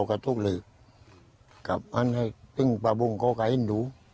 ข้ากายก็ไม่ได้ก็รู้มาหมด